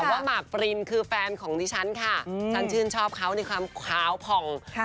แต่ว่าหมากปรินคือแฟนของดิฉันค่ะฉันชื่นชอบเขาในความขาวผ่อง